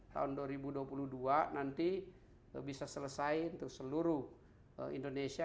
tahun dua ribu dua puluh dua nanti bisa selesai untuk seluruh indonesia